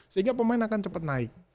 sehingga pemain akan cepat naik